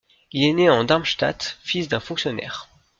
Il est né en Darmstadt, fils d’un fonctionnaire.